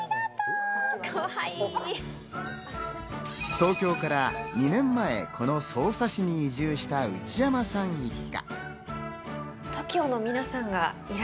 東京から２年前、この匝瑳市に移住した内山さん一家。